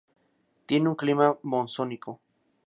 Tiene un clima monzónico.